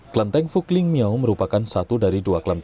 kelenteng fukling miau merupakan satu dari dua kelenteng